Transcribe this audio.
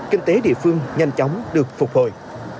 kinh tế địa phương nhanh chóng được phục hồi